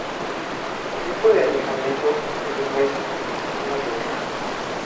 El tiempo de añejamiento es un mes, en una bodega.